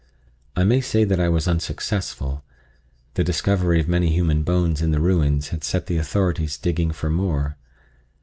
I may say that I was unsuccessful: the discovery of many human bones in the ruins had set the authorities digging for more.